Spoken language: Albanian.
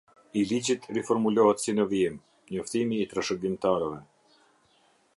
I ligjit riformulohet si në vijim: Njoftimi i trashëgimtarëve.